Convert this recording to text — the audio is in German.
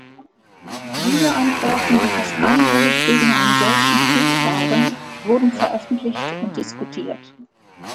Diese Antworten, die fast einhellig gegen einen solchen Krieg waren, wurden veröffentlicht und diskutiert.